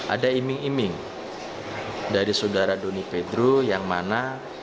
ada iming iming dari saudara doni pedru yang mana